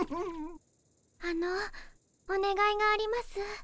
あのおねがいがあります。